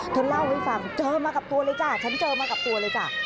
เธอเล่าให้ฟังเจอมากับตัวเลยจ้ะฉันเจอมากับตัวเลยจ้ะ